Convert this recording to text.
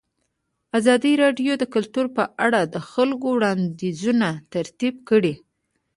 ازادي راډیو د کلتور په اړه د خلکو وړاندیزونه ترتیب کړي.